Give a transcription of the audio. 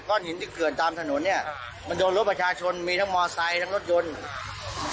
ก้อนหินที่เกิดตามถนนเนี้ยมันโดนรถประชาชนมีทั้งมอเซจทั้งรถยนต์